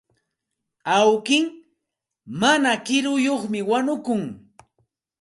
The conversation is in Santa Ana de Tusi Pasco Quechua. Awki mana kiruyuqmi wañukun.